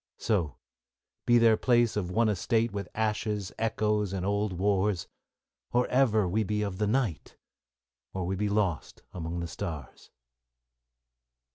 So, be their place of one estate With ashes, echoes, and old wars, — Or ever we be of the night, Or we be lost among the stars.